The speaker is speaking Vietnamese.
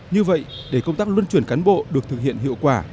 như vậy để công tác luân chuyển cán bộ được thực hiện hiệu quả